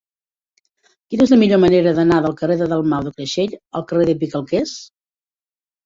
Quina és la millor manera d'anar del carrer de Dalmau de Creixell al carrer de Picalquers?